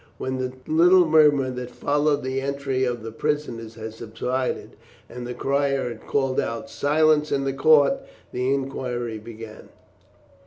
When the little murmur that followed the entry of the prisoners had subsided, and the crier had called out "Silence in court," the inquiry began.